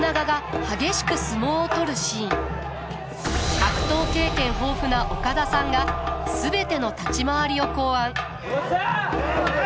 格闘経験豊富な岡田さんが全ての立ち回りを考案。